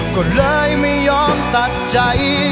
ก็เลยไม่ยอมตัดใจ